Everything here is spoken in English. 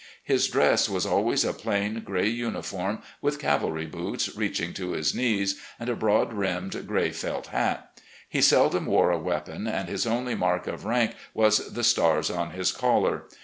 His dress was always a plain, gray uniform, with cavalry boots reaching to his knees, and a broad brimmed gray felt hat. He seldom wore a weapon, and his only mark of rank was the stars on his collar.